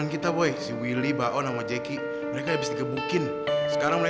kita balik dulu ya boy